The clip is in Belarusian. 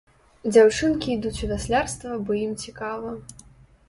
Дзяўчынкі ідуць у вяслярства, бо ім цікава.